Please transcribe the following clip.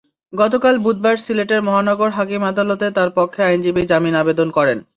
গতকাল বুধবার সিলেটের মহানগর হাকিম আদালতে তাঁর পক্ষে আইনজীবী জামিন আবেদন করেন।